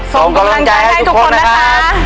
ส่งกำลังใจให้ทุกคนนะคะ